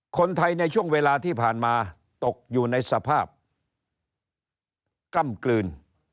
คนไทยในช่วงเวลาที่ผ่านมาตกอยู่ในสภาพกล้ำกลืน